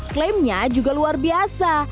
klaimnya juga luar biasa